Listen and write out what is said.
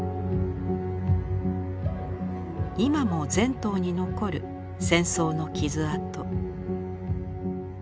今も全島に残る戦争の傷痕。